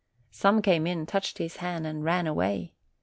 Some came in, touched his hand, and ran away.